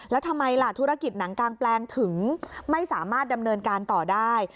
แล้วทำไมล่ะธุรกิจหนังกางแปลงถึงไม่สามารถดำเนินการต่อได้